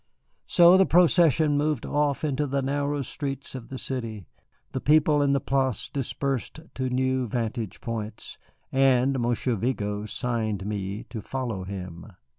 So the procession moved off into the narrow streets of the city, the people in the Place dispersed to new vantage points, and Monsieur Vigo signed me to follow him.